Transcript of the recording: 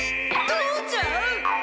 父ちゃん！？